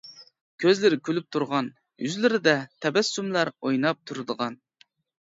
كۆزلىرى كۈلۈپ تۇرغان، يۈزلىرىدە تەبەسسۇملار ئويناپ تۇرىدىغان.